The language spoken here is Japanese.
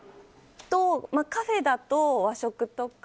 カフェだと和食とか。